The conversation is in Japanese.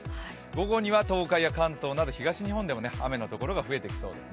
午後には東海や関東など東日本でも雨のところが増えてきそうです。